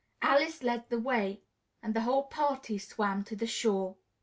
Alice led the way and the whole party swam to the shore.